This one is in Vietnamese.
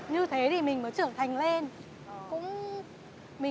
nhiều khi là mình cũng thường là mình hiểu